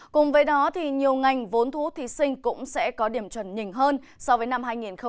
cùng với đó nhiều ngành vốn thú thí sinh cũng sẽ có điểm chuẩn nhìn hơn so với năm hai nghìn một mươi tám